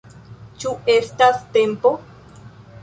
Ĉu estas tempo?